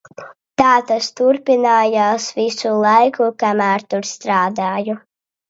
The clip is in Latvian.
Tā tas turpinājās visu laiku, kamēr tur strādāju.